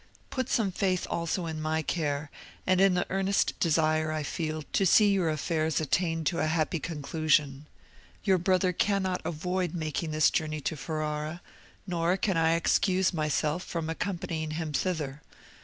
Put some faith also in my care, and in the earnest desire I feel to see your affairs attain to a happy conclusion. Your brother cannot avoid making this journey to Ferrara, nor can I excuse myself from accompanying him thither.